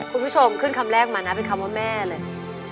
คุณผู้ชมขึ้นคำแรกมานะเป็นคำว่าแม่เลย